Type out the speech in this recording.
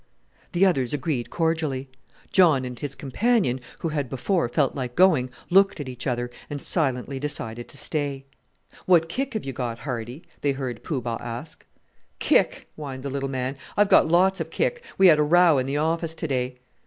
The others agreed cordially. John and his companion, who had before felt like going, looked at each other, and silently decided to stay. "What kick have you got, Hardie?" they heard Poo Bah ask. "Kick!" whined the little man. "I've got lots of kick. We had a row in the office to day."